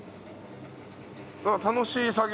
わあ楽しい作業。